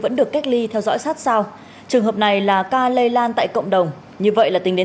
vẫn được cách ly theo dõi sát sao trường hợp này là ca lây lan tại cộng đồng như vậy là tính đến